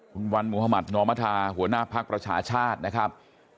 คุณวันมหมาตรนอมภาษาหัวหน้าพรรชชชาช์นะครับ